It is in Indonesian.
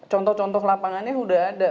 contoh contoh lapangannya sudah ada